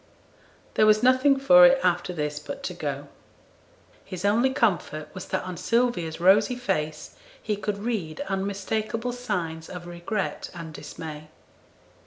There was nothing for it after this but to go. His only comfort was that on Sylvia's rosy face he could read unmistakable signs of regret and dismay.